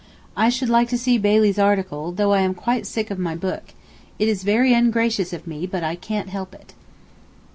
I should like to see Bayley's article though I am quite sick of my book—it is very ungracious of me, but I can't help it.